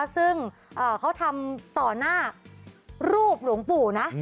ซึ่งเขาทำต่อหน้ารูปหลวงปู่นะ